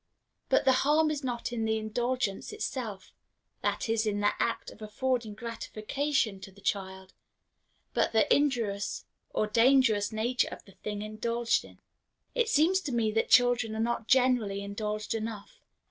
But the harm is not in the indulgence itself that is, in the act of affording gratification to the child but in the injurious or dangerous nature of the things indulged in. It seems to me that children are not generally indulged enough.